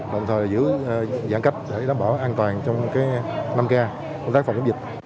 đồng thời giữ giãn cách để đảm bảo an toàn trong năm k công tác phòng chống dịch